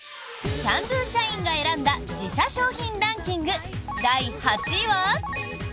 Ｃａｎ★Ｄｏ社員が選んだ自社商品ランキング第８位は。